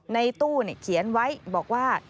ในตู้เขียนไว้บอกว่า